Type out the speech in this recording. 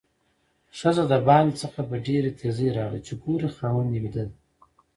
ښځه د باندې څخه په ډېره تیزۍ راغله چې ګوري خاوند یې ويده ده؛